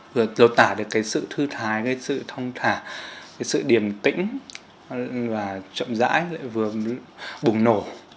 vừa đồ tả được sự thư thái sự thông thả sự điềm tĩnh và trộm rãi vừa bùng nổ